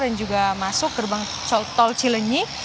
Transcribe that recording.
dan juga masuk gerbang tol cilenyi